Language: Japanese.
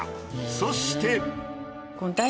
そして。